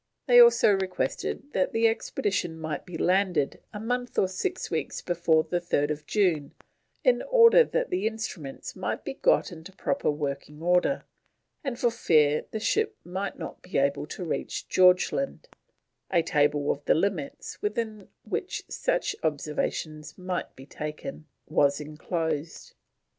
They also requested that the expedition might be landed a month or six weeks before the 3rd June in order that the instruments might be got into proper working order, and for fear the ship might not be able to reach Georgeland, a table of the limits within which the observations might be taken, was enclosed.